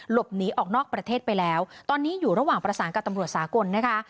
หลบหนีออกนอกประเทศไปแล้วตอนนี้อยู่ระหว่างประสานกับตำรวจสากลนะคะ